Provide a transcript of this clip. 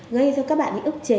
gây cho các bạn ức chế